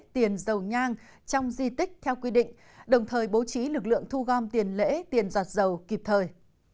tiền dầu nhang trong di tích theo quy định đồng thời bố trí lực lượng thu gom tiền lễ tiền giọt dầu kịp thời